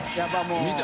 見て！